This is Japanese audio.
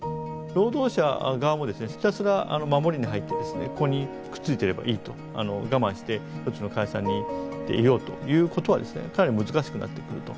労働者側もひたすら守りに入ってここにくっついていればいいと我慢して一つの会社にいようということはかなり難しくなってくると。